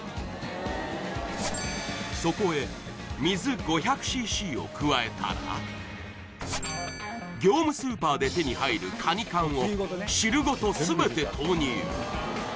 そこへ水５００ｃｃを加えたら業務スーパーで手に入るカニ缶を汁ごと全て投入